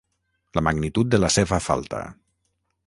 La magnitud de la seva falta.